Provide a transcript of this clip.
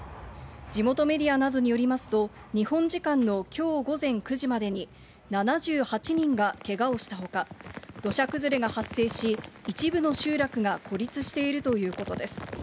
地元メディアなどによりますと、日本時間のきょう午前９時までに７８人がけがをしたほか、土砂崩れが発生し、一部の集落が孤立しているということです。